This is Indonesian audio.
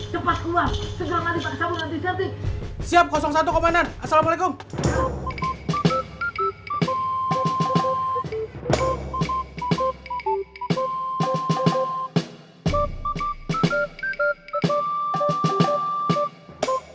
cepat keluar segera lari pakai sabun antiseptik